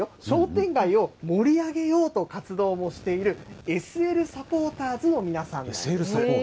商店街を盛り上げようと活動をしている、ＳＬサポーターズの皆さんなんです。